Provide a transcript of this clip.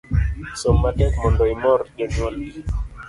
Som matek mondo imor jonyuol gi